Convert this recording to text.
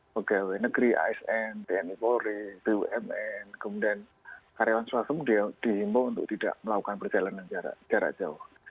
pegawai negeri asn tni polri bumn kemudian karyawan swasta dihimbau untuk tidak melakukan perjalanan jarak jauh